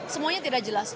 semuanya tidak jelas